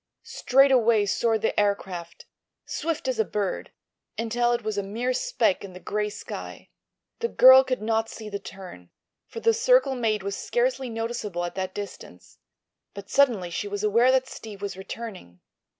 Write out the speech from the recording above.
Straight away soared the aircraft, swift as a bird, until it was a mere speck in the gray sky. The girl could not see the turn, for the circle made was scarcely noticeable at that distance, but suddenly she was aware that Steve was returning.